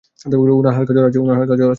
উনার হালকা জ্বর আছে।